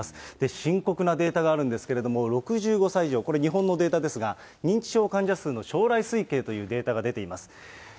深刻なデータがあるんですけれども、６５歳以上、これ、日本のデータですが、認知症患者数の将来推計というデータが出ています。